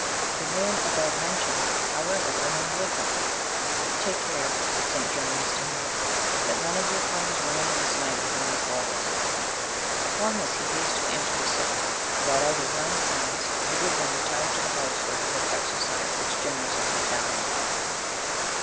34. The man above mentioned, however, remained with them. "Take care," said St. Germanus to him, "that none of your friends remain this night within these walls." Upon this he hastily entered the city, brought out his nine sons, and with them retired to the house where he had exercised such generous hospitality.